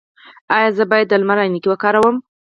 ایا زه باید د لمر عینکې وکاروم؟